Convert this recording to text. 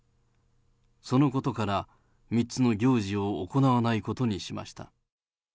そのことから、３つの行事を行わないことにしました。